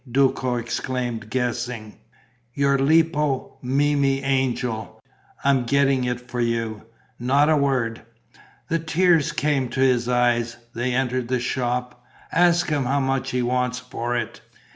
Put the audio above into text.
Duco exclaimed, guessing. "Your Lippo Memmi angel. I'm getting it for you. Not a word!" The tears came to his eyes. They entered the shop. "Ask him how much he wants for it."